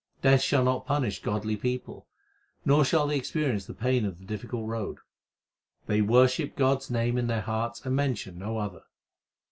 Death shall not punish godly people, Nor shall they experience the pain of the difficult road. They worship God s name in their hearts and mention no other.